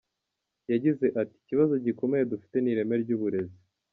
Yagize ati”Ikibazo gikomeye dufite ni ireme ry’uburezi.